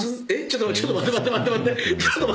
ちょっと待って。